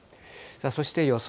そして予想